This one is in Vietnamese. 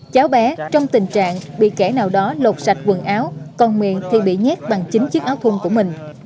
cháu bé trong tình trạng bị kẻ nào đó lột sạch quần áo còn miệng thì bị nhét bằng chính chiếc áo thung của mình